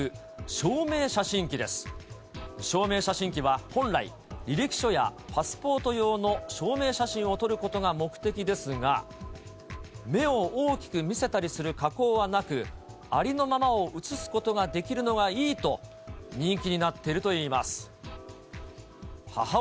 証明写真機は本来、履歴書やパスポート用の証明写真を撮ることが目的ですが、目を大きく見せたりする加工はなく、ありのままを写すことができるのがいいと、人気になっているといいます。